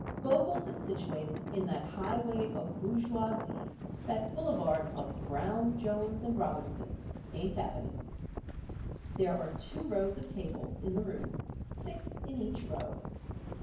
Bogle's is situated in that highway of bourgeoisie, that boulevard of Brown Jones and Robinson, Eighth Avenue. There are two rows of tables in the room, six in each row.